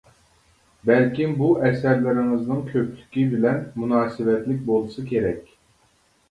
بەلكىم بۇ ئەسەرلىرىڭىزنىڭ كۆپلۈكى بىلەن مۇناسىۋەتلىك بولسا كېرەك.